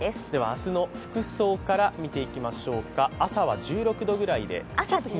明日の服装から見ていきましょうか、朝は１６度ぐらい。